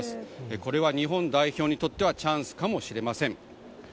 これは日本代表にとってはチャンスかもしれません。